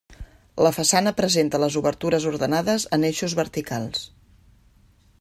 La façana presenta les obertures ordenades en eixos verticals.